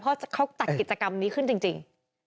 เพราะเขาจัดกิจกรรมนี้ขึ้นจริง